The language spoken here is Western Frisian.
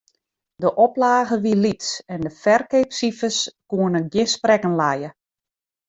De oplage wie lyts en de ferkeapsifers koene gjin sprekken lije.